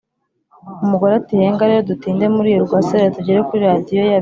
Umugore ati Henga rero dutinde muri iyo rwaserera tugere kuri Radiyo yabivuze